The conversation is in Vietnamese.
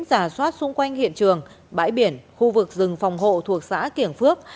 giả soát xung quanh hiện trường bãi biển khu vực rừng phòng hộ thuộc xã kiểng phước